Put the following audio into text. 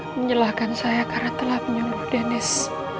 menyalahkan saya karena telah menyuluh dennis